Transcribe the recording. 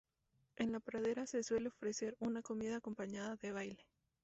En la pradera se suele ofrecer una comida acompañada de baile.